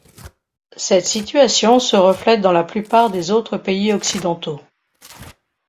Cette situation se reflète dans la plupart des autres pays occidentaux.